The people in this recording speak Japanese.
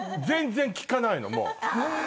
全然利かないのもう。